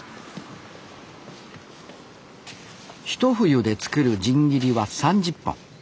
ひと冬で作る新切りは３０本。